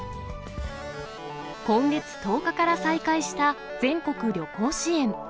今月１０日から再開した全国旅行支援。